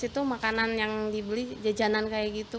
itu makanan yang dibeli jajanan kayak gitu